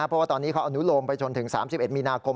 เพราะว่าตอนนี้เขาอนุโลมไปจนถึง๓๑มีนาคม